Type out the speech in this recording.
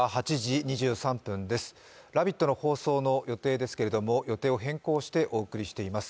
「ラヴィット！」の放送の予定ですけれども予定を変更してお送りしています。